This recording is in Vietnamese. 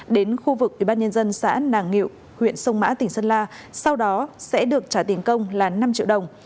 đến khu vực ubnd xã nàng nghị huyện sông mã tỉnh sơn la sau đó sẽ được trả tiền công là năm triệu đồng